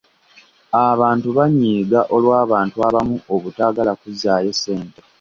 Abantu baanyiiga olw'abantu abamu obutaagala kuzzaayo ssente.